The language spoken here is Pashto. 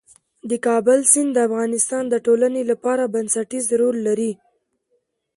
د کابل سیند د افغانستان د ټولنې لپاره بنسټيز رول لري.